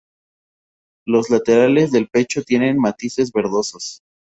Los laterales del pecho tienen matices verdosos.